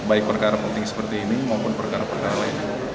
baik perkara penting seperti ini maupun perkara perkara lainnya